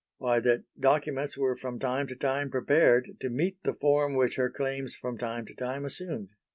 Why, that documents were from time to time prepared to meet the form which her claims from time to time assumed."